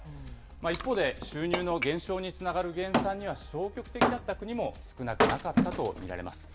一方で、収入の減少につながる減産には消極的だった国も少なくなかったと見られます。